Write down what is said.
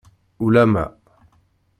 Ulamma.